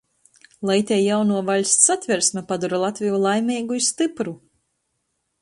Lai itei jaunuo vaļsts Satversme padora Latveju laimeigu i stypru!